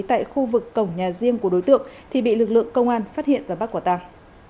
tại khu vực cổng nhà riêng của đối tượng thì bị lực lượng công an phát hiện và bắt quả tàng